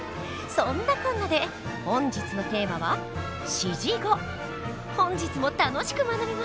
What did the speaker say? そんなこんなで本日のテーマは本日も楽しく学びましょう。